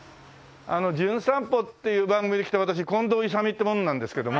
『じゅん散歩』っていう番組で来た私近藤勇っていう者なんですけども。